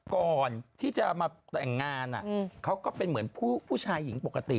ก่อนที่จะมาแต่งงานเขาก็เป็นเหมือนผู้ชายหญิงปกติ